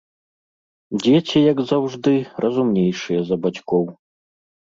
Дзеці, як заўжды, разумнейшыя за бацькоў.